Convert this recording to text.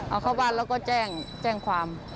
เอาเข้าบ้านแล้วก็แจ้งความ